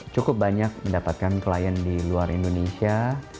cukup banyak mendapatkan klien di luar indonesia